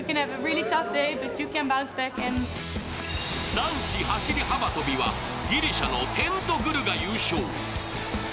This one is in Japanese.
男子走幅跳はギリシャのテントグルが優勝。